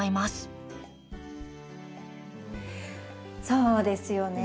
そうですよね。